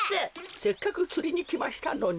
せっかくつりにきましたのに。